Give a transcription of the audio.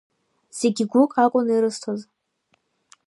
Зегь гәык акәын ирызҭаз.